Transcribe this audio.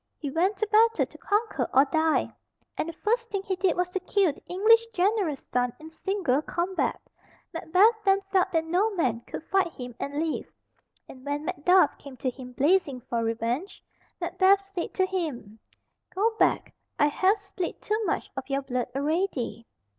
He went to battle to conquer or die, and the first thing he did was to kill the English general's son in single combat. Macbeth then felt that no man could fight him and live, and when Macduff came to him blazing for revenge, Macbeth said to him, "Go back; I have spilt too much of your blood already."